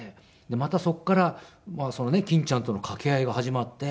またそこから欽ちゃんとのかけ合いが始まって。